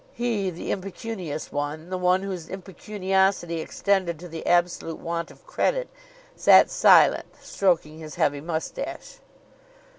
He, the impecunious one, the one whose impecuniosity extended to the absolute want of credit, sat silent, stroking his heavy moustache.